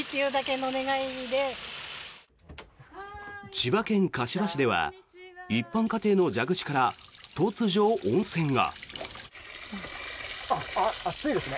千葉県柏市では一般家庭の蛇口から突如、温泉が。